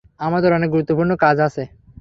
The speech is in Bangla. আমাদের অনেক গুরুত্বপূর্ণ কাজ আছে।